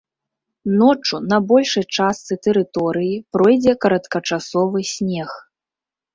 Ноччу на большай частцы тэрыторыі пройдзе кароткачасовы снег.